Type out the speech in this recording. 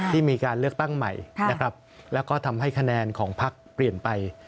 ที่มีการเลือกตั้งใหม่นะครับแล้วก็ทำให้คะแนนของพักเปลี่ยนไป